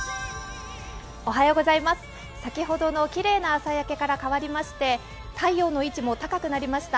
先ほどのきれいな朝焼けから変わりまして太陽の位置も高くなりました。